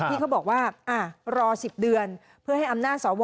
ที่เขาบอกว่ารอ๑๐เดือนเพื่อให้อำนาจสว